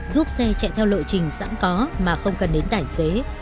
giúp xe chạy theo lộ trình sẵn có mà không cần đến tài xế